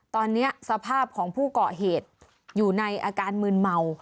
ตอนนี้สภาพของผู้เกาะเหตุอยู่ในอาการมืนเมา